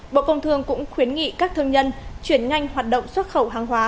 bộ công thương cũng khuyến nghị các thương nhân chuyển nhanh hoạt động xuất khẩu hàng hóa